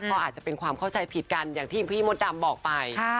ก็อาจจะเป็นความเข้าใจผิดกันอย่างที่พี่มดดำบอกไป